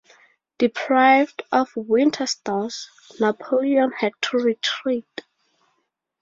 Deprived of winter stores, Napoleon had to retreat.